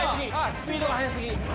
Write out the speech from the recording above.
スピード速すぎ。